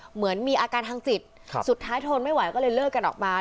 เหมือนมีอาการทางจิตสุดท้ายทนไม่ไหวก็เลยเลิกกันออกมา